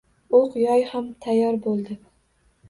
O‘q-yoy ham tayyor bo‘ldi